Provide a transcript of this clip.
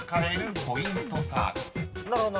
なるほど。